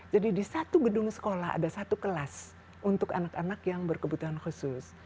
jadi di satu gedung sekolah ada satu kelas untuk anak anak yang berkebutuhan khusus